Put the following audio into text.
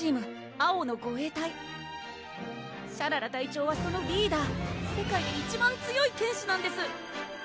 青の護衛隊シャララ隊長はそのリーダー世界で一番強い剣士なんです！